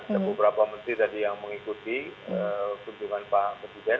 ada beberapa menteri tadi yang mengikuti kunjungan pak presiden